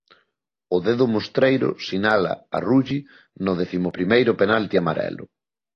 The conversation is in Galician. O dedo mostreiro sinala a Rulli no décimo primeiro penalti amarelo.